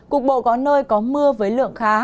cục bộ có nơi có mưa với lượng khá